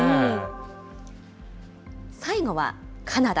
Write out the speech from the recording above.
最後はカナダ。